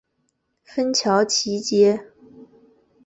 芬乔奇街。